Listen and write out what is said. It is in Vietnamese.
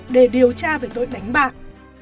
để điều tra về tội đánh bạn